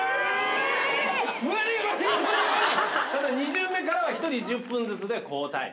ただ２巡目からは１人１０分ずつで交代。